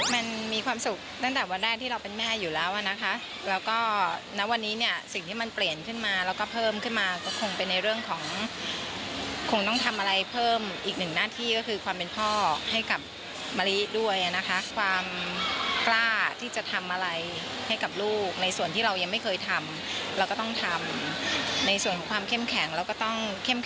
มันมีความสุขตั้งแต่วันแรกที่เราเป็นแม่อยู่แล้วอ่ะนะคะแล้วก็ณวันนี้เนี่ยสิ่งที่มันเปลี่ยนขึ้นมาแล้วก็เพิ่มขึ้นมาก็คงเป็นในเรื่องของคงต้องทำอะไรเพิ่มอีกหนึ่งหน้าที่ก็คือความเป็นพ่อให้กับมะลิด้วยนะคะความกล้าที่จะทำอะไรให้กับลูกในส่วนที่เรายังไม่เคยทำเราก็ต้องทำในส่วนของความเข้มแข็งแล้วก็ต้องเข้มข